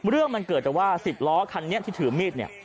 เรื่องมันเกิดแต่ว่า๑๐ล้อคันนี้ที่ถือมีดเนี่ย